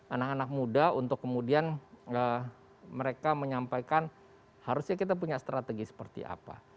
anak anak muda untuk kemudian mereka menyampaikan harusnya kita punya strategi seperti apa